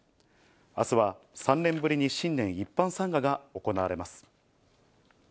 あすは３年ぶりに新年一般参賀が行われます。